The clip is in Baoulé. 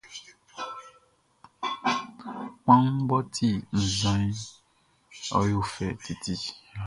Kpanwun mʼɔ ti nvanʼn, ɔ yo fɛ titi.